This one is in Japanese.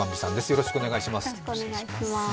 よろしくお願いします。